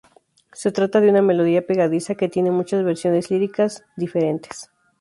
Se trata de una melodía pegadiza que tiene muchas versiones líricas diferentes.